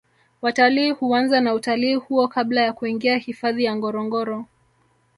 watalii huanza na utalii huo kabla ya kuingia hifadhi ya ngorongoro